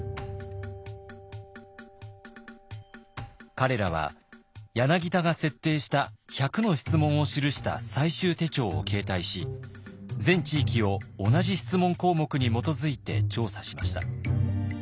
彼らは柳田が設定した１００の質問を記した採集手帖を携帯し全地域を同じ質問項目に基づいて調査しました。